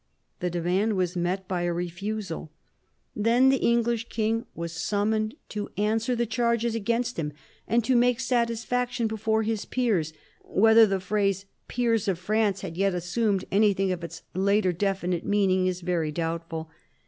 The demand was met by a refusal. Then the English king was summoned to F 66 PHILIP AUGUSTUS chap. answer the charges against him, and to make satisfaction before his peers. Whether the phrase " peers of France " had yet assumed anything of its later definite meaning is very doubtful.